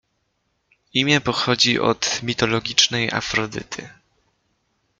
Imię pochodzi od mitologicznej Afrodyty.